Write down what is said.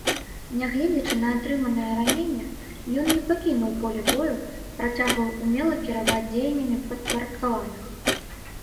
Нягледзячы на атрыманае раненне, ён не пакінуў поле бою, працягваў умела кіраваць дзеяннямі падпарадкаваных.